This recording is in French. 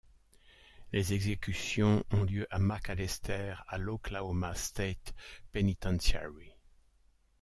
Les exécutions ont lieu à McAlester à l'Oklahoma State Penitentiary.